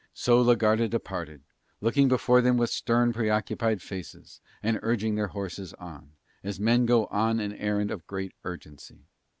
So la Garda departed, looking before them with stern, preoccupied faces and urging their horses on, as men who go on an errand of great urgency.